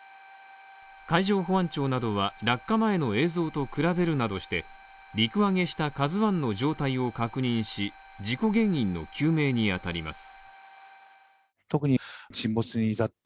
海上保安庁などは落下前の映像と比べるなどして陸揚げした「ＫＡＺＵ１」の状態を確認し、事故原因の究明にあたります。